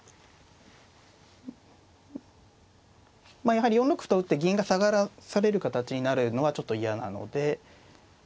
やはり４六歩と打って銀が下がらされる形になるのはちょっと嫌なので。